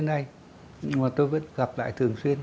nhưng mà tôi vẫn gặp lại thường xuyên